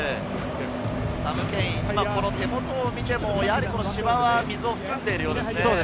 サム・ケイン、手元を見ても、芝は水を含んでいるようですね。